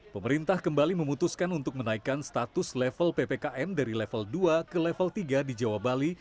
pemerintah kembali memutuskan untuk menaikkan status level ppkm dari level dua ke level tiga di jawa bali